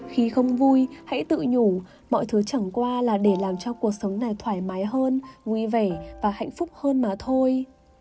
khi không vui hãy tự nhủ mọi thứ chẳng qua là để làm cho cuộc sống này thoải mái hơn vui vẻ và hạnh phúc hơn mà thôi